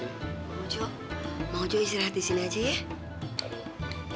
bang wajo bang wajo istirahat di sini aja ya